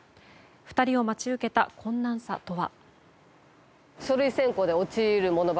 ２人を待ち受けた困難さとは。